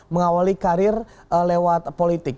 mengawali karir lewat politik